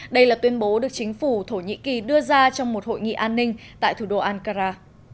đây là tuyên bố được chính phủ thổ nhĩ kỳ đưa ra trong một hội nghị an ninh tại thủ đô ankara